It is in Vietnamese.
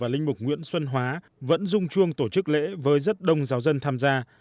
linh mục nguyễn xuân hóa vẫn rung chuông tổ chức lễ với rất đông giáo dân tham gia